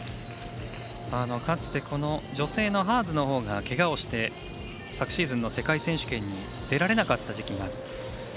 かつて女性のハーズのほうがけがをして、昨シーズンの世界選手権に出られなかった時期が。